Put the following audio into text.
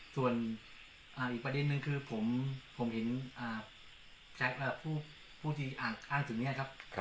ส่วนอีกประเด็นนึงคือผมเห็นผู้ที่อ่านข้างถึงเนี่ยครับ